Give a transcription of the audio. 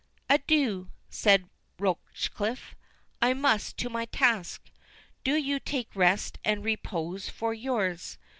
"Adieu," said Rochecliffe, "I must to my task—Do you take rest and repose for yours.